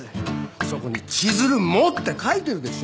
そこに「千鶴も」って書いてるでしょ。